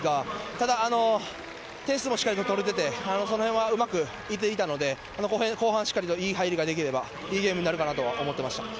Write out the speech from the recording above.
ただ点数もしっかり取って、そのへんはうまくいっていたので、後半、いい入りができれば、いいゲームになると思っていました。